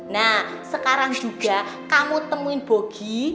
nah sekarang juga kamu temuin bogi